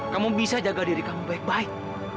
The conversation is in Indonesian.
kamu bisa jaga diri kamu baik baik